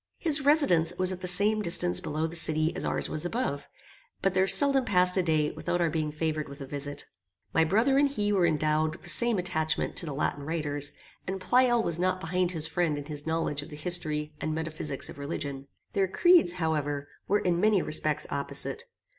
His residence was at the same distance below the city as ours was above, but there seldom passed a day without our being favoured with a visit. My brother and he were endowed with the same attachment to the Latin writers; and Pleyel was not behind his friend in his knowledge of the history and metaphysics of religion. Their creeds, however, were in many respects opposite.